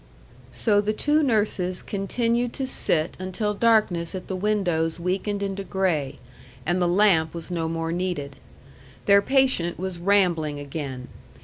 So the two nurses continued to sit until darkness at the windows weakened into gray, and the lamp was no more needed. Their patient was rambling again.